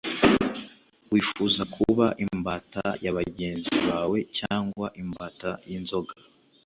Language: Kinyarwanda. wifuza kuba imbata ya bagenzi bawe cyangwa imbata y inzoga